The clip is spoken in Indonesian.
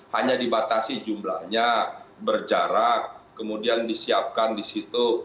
hanya dibatasi jumlahnya berjarak kemudian disiapkan di situ